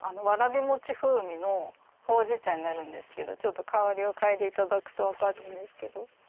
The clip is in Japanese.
わらび餅風味のほうじ茶になるんですけど香りを嗅いでいただくと分かると思うんですけど。